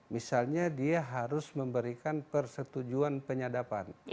misalnya dia harus memberikan persetujuan penyadapan